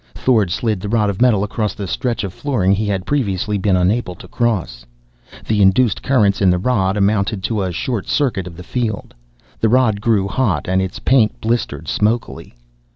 Thorn slid the rod of metal across the stretch of flooring he had previously been unable to cross. The induced currents in the rod amounted to a short circuit of the field. The rod grew hot and its paint blistered smokily.